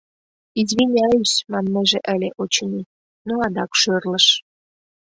«Извиняюсь!» маннеже ыле, очыни, но адак шӧрлыш.